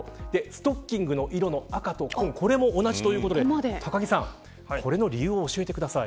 ストッキングの色も赤と紺同じということで高木さんこれの理由を教えてください。